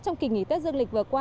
trong kỳ nghỉ tết dương lịch vừa qua